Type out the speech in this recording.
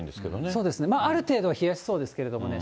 そうですね、ある程度は冷やしそうですけれどもね。